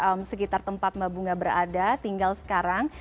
di sekitar tempat mbak bunga berada tinggal sekarang